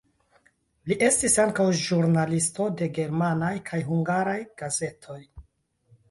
Li estis ankaŭ ĵurnalisto de germanaj kaj hungaraj gazetoj.